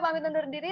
pamit undur diri